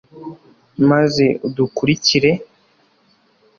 maze udukurikire